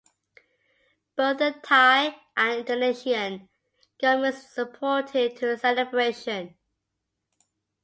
Both the Thai and Indonesian governments supported to celebration.